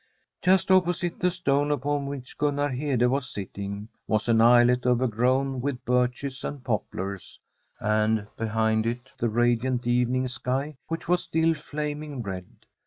Just opposite the stone upon which Gunnar Hede was sitting was an islet overgrown with birches and poplars, and behind it the radiant evening sky, which was still flaming red.